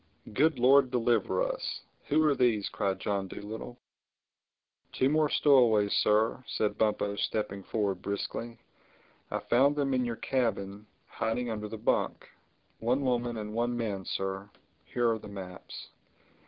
"Good Lord deliver us! Who are these?" cried John Dolittle. "Two more stowaways, Sir," said Bumpo stepping forward briskly. "I found them in your cabin hiding under the bunk. One woman and one man, Sir. Here are the maps."